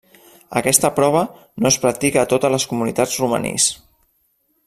Aquesta prova no es practica a totes les comunitats romanís.